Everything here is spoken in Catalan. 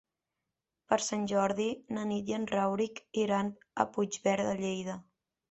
Per Sant Jordi na Nit i en Rauric iran a Puigverd de Lleida.